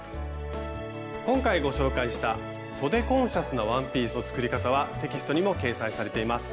今回ご紹介した「そでコンシャスなワンピース」の作り方はテキストにも掲載されています。